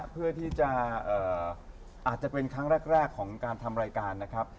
เพื่อที่จะอาจจะเป็นครั้งแรกของการทำรายการนะครับ